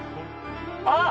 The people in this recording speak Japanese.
あっ！